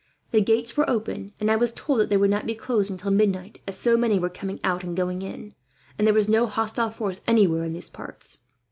The gates were open, and I was told that they would not be closed until midnight; as so many were coming out and going in, and there was no hostile force anywhere in these parts.